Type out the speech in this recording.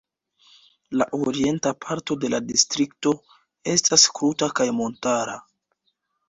La orienta parto de la Distrikto estas kruta kaj montara.